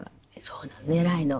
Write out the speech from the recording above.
そうなの偉いの。